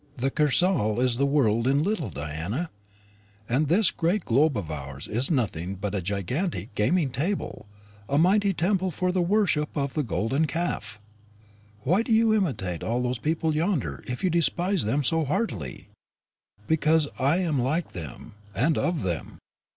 The Kursaal is the world in little, Diana; and this great globe of ours is nothing but a gigantic gaming table a mighty temple for the worship of the golden calf." "Why do you imitate those people yonder, if you despise them so heartily?" "Because I am like them and of them.